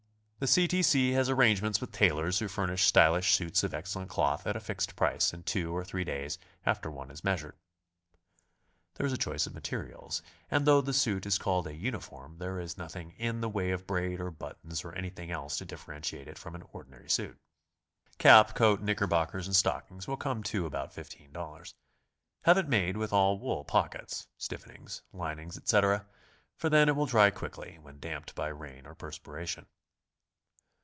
The C. T. C. has arrangements with tailors who furnish stylish suits of excellent cloth at a fixed price in two or three days after one is measured. There is a choice of m aterials, and though the suit is called a "uniform" there is nothing in the way of braid or buttons or anything else to differentiate it from an ordinary suit. Cap, coat, knickerbockers and stock ings will come to about $15. Have it made with all wool pockets, stiffenings, linings, etc., for then it will dry quickly vVhen damped by rain or perspiration.